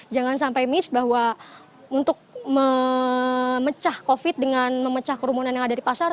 jangan sampai mis bahwa untuk memecah covid dengan memecah kerumunan yang ada di pasar